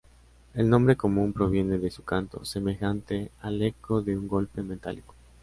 El nombre común proviene de su canto, semejante al eco de un golpe metálico.